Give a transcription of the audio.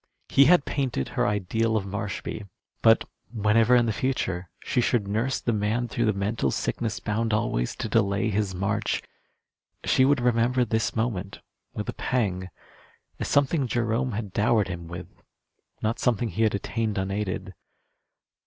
He had painted her ideal of Marshby; but whenever in the future she should nurse the man through the mental sickness bound always to delay his march, she would remember this moment with a pang, as something Jerome had dowered him with, not something he had attained unaided.